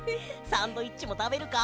サンドイッチもたべるか？